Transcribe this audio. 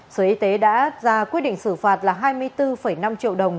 sở y tế đã ra quyết định xử phạt là hai mươi bốn năm triệu đồng